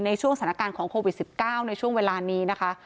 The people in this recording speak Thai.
ในช่วงสถานการณ์ของโควิด๑๙ในช่วงเวลานี้นะคะ